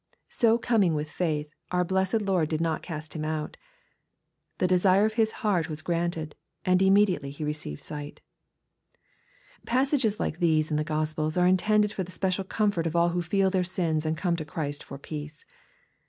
So coming with faith, our blessed Lord did not cast him out. The desire of his heart was granted, and *^ immediately he received sight/' Passages like these in the Q ospels are intended for the special comfort of all who feel their sins and come to Christ for peace.